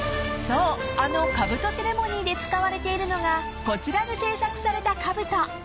あのかぶとセレモニーで使われているのがこちらで制作されたかぶと］